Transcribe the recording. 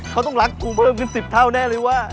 เขาต้องรักกูเขินสิบเท่าแน่เลยว่ะ